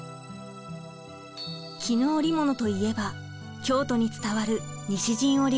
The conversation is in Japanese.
絹織物といえば京都に伝わる西陣織が有名です。